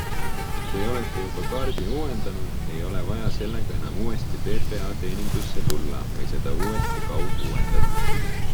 Kui olete juba kaardi uuendanud, ei ole vaja sellega enam uuesti PPA teenindusse tulla või seda uuesti kauguuendada.